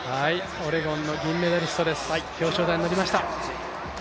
オレゴンの銀メダリストです、表彰台に乗りました。